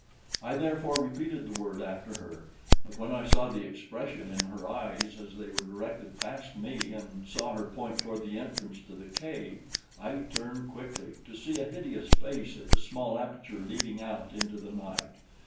I therefore repeated the word after her; but when I saw the expression in her eyes as they were directed past me and saw her point toward the entrance to the cave, I turned quickly to see a hideous face at the small aperture leading out into the night.